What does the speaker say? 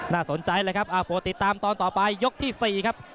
น่าสนใจเลยครับโปรติดตามตอนต่อไปยกที่๔ครับ